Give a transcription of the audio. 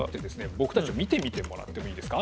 僕たちを見てみてもらってもいいですか？